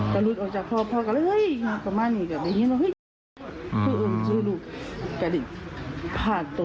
ก็ลุดออกจากภาพ